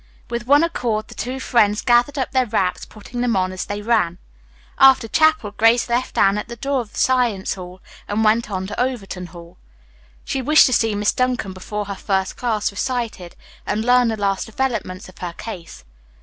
With one accord the two friends gathered up their wraps, putting them on as they ran. After chapel Grace left Anne at the door of Science Hall and went on to Overton Hall. She wished to see Miss Duncan before her first class recited, and learn the latest developments of her case.